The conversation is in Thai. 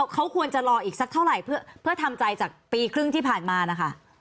เขาควรจะรออีกสักเท่าไหร่เพื่อทำใจจากปีครึ่งที่ผ่านมานะคะ